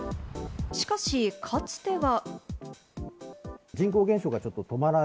しかし、かつては。